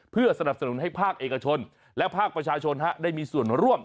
เพื่อสนับสนุนให้ภาคเอกชนและภาคประชาชนได้มีส่วนร่วม